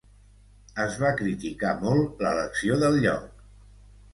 Es va criticar molt l'elecció del lloc.